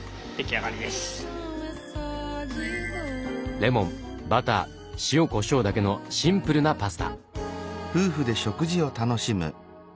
レモンバター塩こしょうだけのシンプルなパスタ。